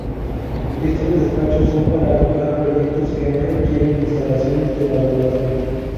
Estos despachos son para alojar proyectos que no requieren instalaciones de laboratorio.